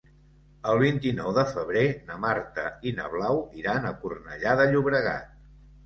El vint-i-nou de febrer na Marta i na Blau iran a Cornellà de Llobregat.